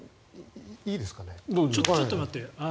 ちょっと待って。